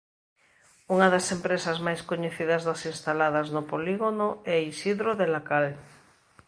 Unha das empresas máis coñecidas das instaladas no polígono é Isidro de la Cal.